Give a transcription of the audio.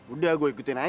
udah gue ikutin aja